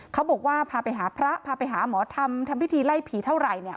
เขาบอกว่าพาไปหาพระพาไปหาหมอธรรมทำพิธีไล่ผีเท่าไหร่เนี่ย